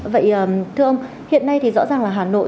vậy thưa ông hiện nay thì rõ ràng là hà nội